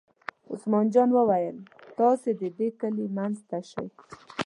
عثمان جان وویل: تاسې د دې کلي منځ ته شئ.